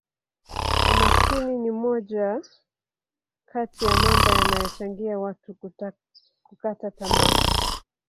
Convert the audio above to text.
umaskini ni moja kati ya mambo yanayochangia watu kukata tamaa